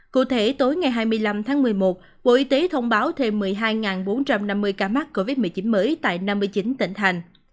cụ thể tối ngày hai mươi năm tháng một mươi một bộ y tế thông báo thêm một mươi hai bốn trăm năm mươi ca mắc covid một mươi chín mới tại năm mươi chín tỉnh thành